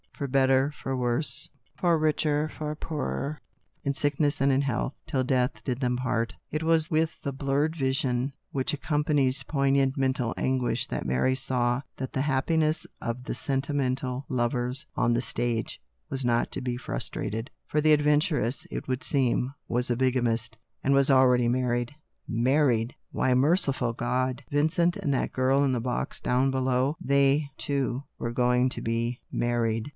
For better for worse, for richer for poorer, in sickness and in health, till death did them part .. It was with the blurred vision which accompa nies mental anguish that Mary saw that the happiness of the sentimental lovers was not to be frustrated, for the adventuress, it trans pired, was a bigamist and was already mar ried. Married ! Merciful God ! Why Vin cent and that girl in the box down below — they, too, were going to be married.